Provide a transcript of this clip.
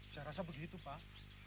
saya rasa begitu pak